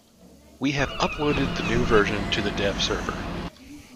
We have uploaded the new version to the Dev server.